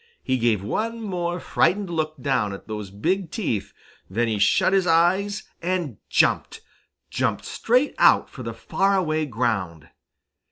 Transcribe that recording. He gave one more frightened look down at those big teeth, then he shut his eyes and jumped jumped straight out for the far away ground.